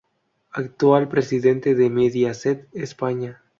Actual presidente de Mediaset España.